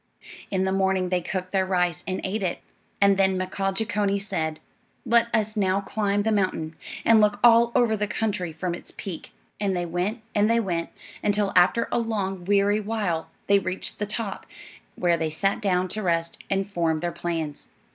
In the morning they cooked their rice and ate it, and then Mkaaah Jeechonee said: "Let us now climb the mountain, and look all over the country from its peak." And they went and they went, until after a long, weary while, they reached the top, where they sat down to rest and form their plans.